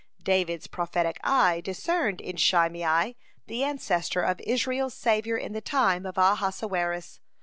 David's prophetic eye discerned in Shimei the ancestor of Israel's savior in the time of Ahasuerus.